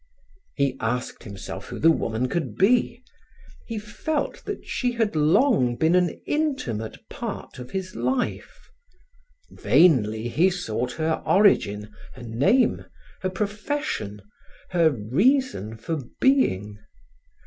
He asked himself who the woman could be; he felt that she had long been an intimate part of his life; vainly he sought her origin, her name, her profession, her reason for being.